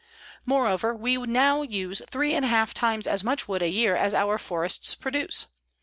_ Moreover, we now use three and a half times as much wood a year as our forests produce.